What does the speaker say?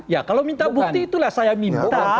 ya kalau minta bukti itulah saya minta